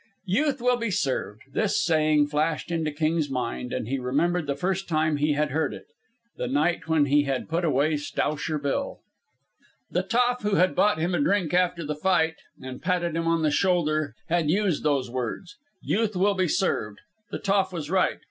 Youth will be served this saying flashed into King's mind, and he remembered the first time he had heard it, the night when he had put away Stowsher Bill. The toff who had bought him a drink after the fight and patted him on the shoulder had used those words. Youth will be served! The toff was right.